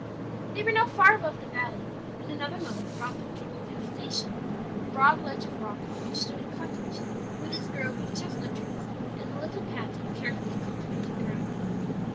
"They were now far above the valley, and another moment brought them to their destination a broad ledge of rock on which stood a cottage with its grove of chestnut trees, and a little patch of carefully cultivated ground.